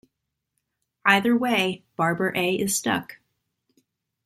Either way, Barber A is stuck.